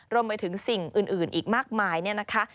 รวมไปถึงสิ่งอื่นอีกมากมายเนี่ยนะคะ